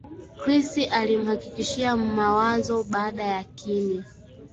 Chris alimhakikishia Mawazo baada ya kimya